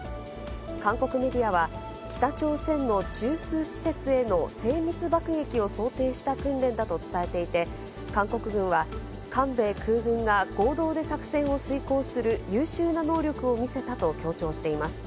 韓国メディアは、北朝鮮の中枢施設への精密爆撃を想定した訓練だと伝えていて、韓国軍は韓米空軍が合同で作戦を遂行する優秀な能力を見せたと強調しています。